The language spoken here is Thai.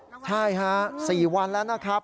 ใช่ฮะ๔วันแล้วนะครับ